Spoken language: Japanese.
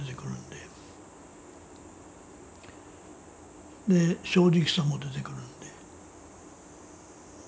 で正直さも出てくるんで。